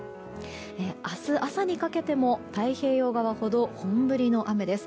明日朝にかけても太平洋側ほど本降りの雨です。